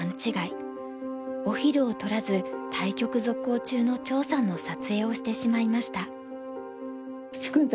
お昼を取らず対局続行中の趙さんの撮影をしてしまいました。